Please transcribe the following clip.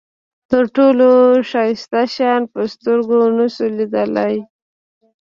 تر ټولو ښایسته شیان په سترګو نشو لیدلای.